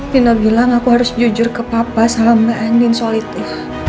dino bilang aku harus jujur ke papa sama andin soal itu